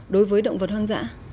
đối với động vật hoang dã